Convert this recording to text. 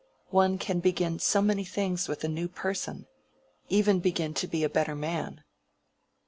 One can begin so many things with a new person!—even begin to be a better man.